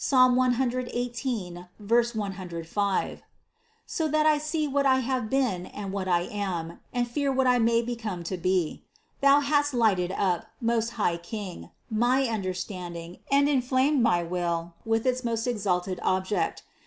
118, 105), so that I see what I have been and what I am, and fear what I may become to be. Thou hast lighted up, most high King, my understanding and inflamed my will with its most exalted object.